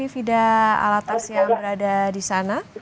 fida alatas yang berada di sana